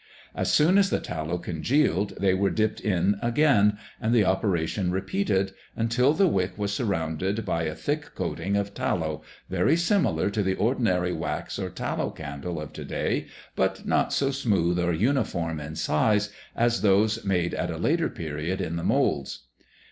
As soon as the tallow congealed they were dipped in again, and the operation repeated until the wick was surrounded by a thick coating of tallow very similar to the ordinary wax or tallow candle of to day, but not so smooth or uniform in size as those made at a later period in the moulds.